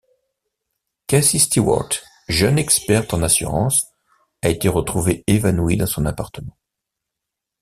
Cassie Stewart, jeune experte en assurance, a été retrouvée évanouie dans son appartement.